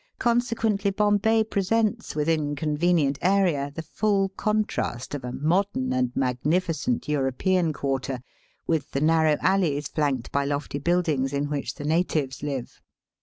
. Consequently Bombay presents within convenient area the full contrast of a modern and magnificent European quarter with the narrow alleys flanked by lofty buildings in which the natives live.